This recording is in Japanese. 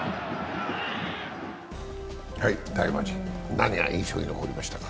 大魔神、何が印象に残りましたか。